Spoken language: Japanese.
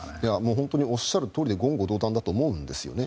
本当におっしゃるとおりで言語道断だと思います。